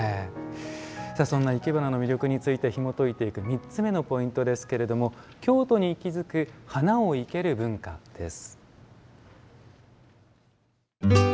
そんないけばなの魅力についてひもといていく３つ目のポイントです「京都に息づく花を生ける文化」です。